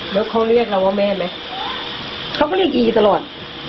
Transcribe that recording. แล้วเขาเรียกเราว่าแม่ไหมเขาก็เรียกอีตลอด